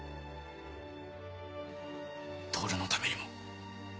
透のためにも。